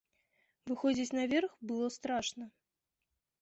Выходзіць на верх было страшна.